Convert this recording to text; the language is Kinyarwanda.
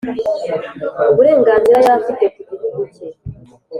Uburenganzira yari afite ku gihugu cye